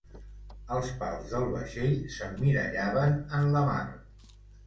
Els pals del vaixell s'emmirallaven en la mar.